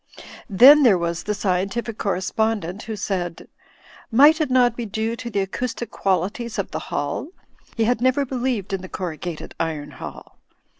Then there was the scientific correspctfident who said — ^Might it not be due to the acoustic qualities of the hall? He had never believed in the corrugated iron hall.